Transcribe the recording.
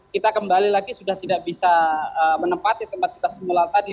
kita kembali lagi sudah tidak bisa menempati tempat kita semula tadi